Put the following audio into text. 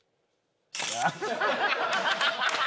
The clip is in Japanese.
ハハハハ！